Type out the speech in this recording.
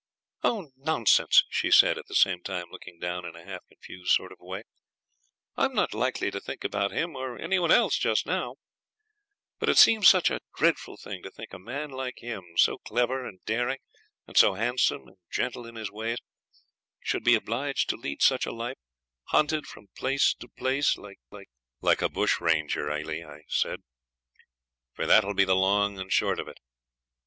'Oh, nonsense,' she said, at the same time looking down in a half confused sort of way. 'I'm not likely to think about him or any one else just now; but it seems such a dreadful thing to think a man like him, so clever and daring, and so handsome and gentle in his ways, should be obliged to lead such a life, hunted from place to place like like ' 'Like a bush ranger, Ailie,' I said, 'for that'll be the long and short of it.